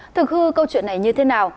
thực hư câu chuyện này như thế nào